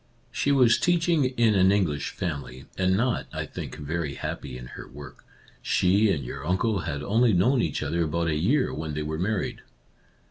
She was teaching in an English family, and not, I think, very happy in her work. She and your uncle had only known each other about a year when they were married.